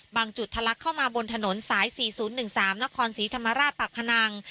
บางจุดทะลักเข้ามาบนถนนสายสี่ศูนย์หนึ่งสามนครศรีธรรมราชปักพนัง